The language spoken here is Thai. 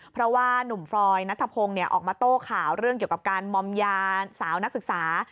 เพราะว่านุ่มฟรอยนัทพงศ์ออกมาโต้ข่าวเรื่องเกี่ยวกับการมอมยาสาวนักศึกษา